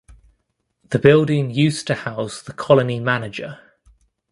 The building used to house the colony manager.